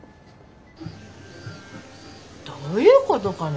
どういうことかね？